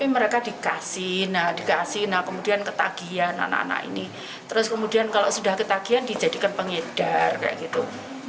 mereka dibujuk dan diberi imbalan uang sambil mencoba narkoba